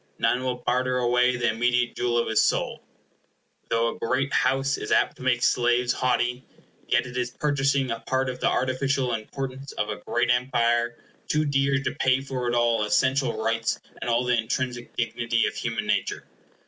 None will barter away the immediate jewel of his soul. Though a great house is apt to make slaves haughty, yet it is purchasing a part of the artificial importance of a great empire too dear to pay for it all essential rights and all the intrinsic dignity of human nature.